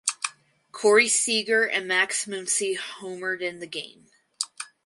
Corey Seager and Max Muncy homered in the game.